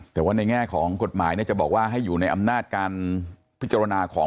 แต่ว่าในแง่ของกฎหมายจะบอกว่าให้อยู่ในอำนาจการพิจารณาของ